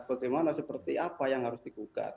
bagaimana seperti apa yang harus digugat